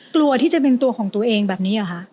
กลัวที่จะเป็นตัวของตัวเองแบบนี้เหรอคะ